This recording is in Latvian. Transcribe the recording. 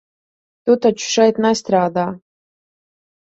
Tu taču šeit nestrādā?